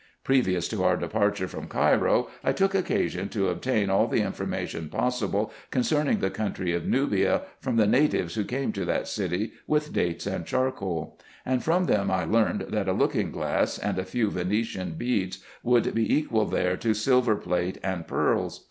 Previous to our departure from Cairo, I took occasion to obtain all the information possible concerning the country of Nubia, from the natives who came to that city with dates and charcoal ; and from them I learned, that a looking glass and a few Venetian beads would be equal there to silver plate and pearls.